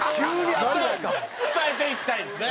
伝えていきたいですね。